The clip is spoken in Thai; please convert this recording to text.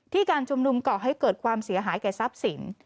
การชุมนุมก่อให้เกิดความเสียหายแก่ทรัพย์สิน